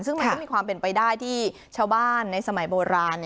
ซึ่งมันก็มีความเป็นไปได้ที่ชาวบ้านในสมัยโบราณ